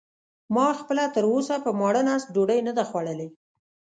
ما خپله تراوسه په ماړه نس ډوډۍ نه ده خوړلې.